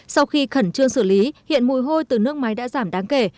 sau khi khẩn trương xử lý hiện mùi hôi từ nước máy đã giảm đáng kể